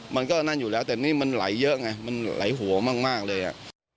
มันก็นั่นอยู่แล้วแต่นี่มันไหลเยอะไงมันไหลหัวมากเลยอ่ะ